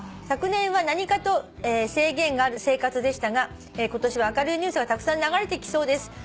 「昨年は何かと制限がある生活でしたが今年は明るいニュースがたくさん流れてきそうです」